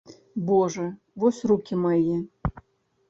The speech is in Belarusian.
Божа, вось рукі мае.